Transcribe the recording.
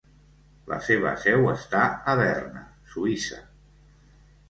La seva seu està a Berna, Suïssa.